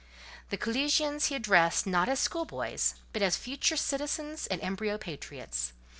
The collegians he addressed, not as schoolboys, but as future citizens and embryo patriots.